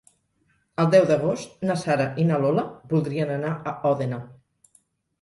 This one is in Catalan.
El deu d'agost na Sara i na Lola voldrien anar a Òdena.